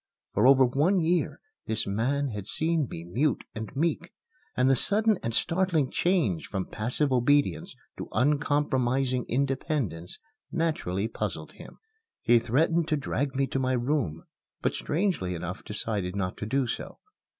For over one year this man had seen me mute and meek, and the sudden and startling change from passive obedience to uncompromising independence naturally puzzled him. He threatened to drag me to my room, but strangely enough decided not to do so.